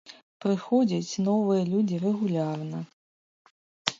Прыходзяць новыя людзі рэгулярна.